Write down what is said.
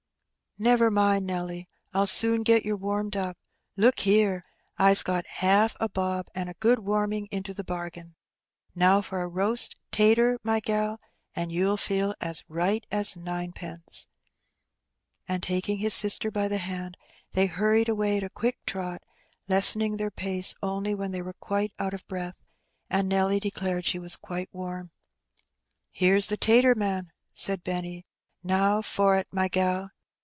"Never mind, Nelly, I'll soon get yer warmed up. Look here, I's got haaf a bob, and a good warming into 8 Her Benny. the bargain. Now for a roast tater^ my gal^ and yonll feel as right as ninepence/' And^ taking his sister by the hand^ they harried away at a quick trot, lessening their pace only when they were quite out of breathy and Nelly declared she was quite warm. "Heroes the tater man/* said Benny; ^'now for't, my gal.